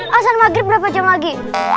hasan maghrib berapa jam lagi